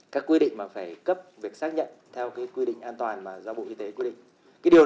các quy định mà phải cấp việc xác nhận theo quy định an toàn mà do bộ y tế quy định